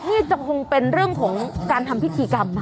นี่จะคงเป็นเรื่องของการทำพิธีกรรมนะ